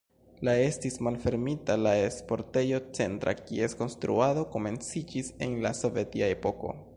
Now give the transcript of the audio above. La estis malfermita la sportejo Centra, kies konstruado komenciĝis en la sovetia epoko.